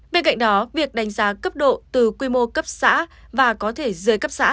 bên cạnh đó việc đánh giá cấp độ từ quy mô cấp xã và có thể dưới cấp xã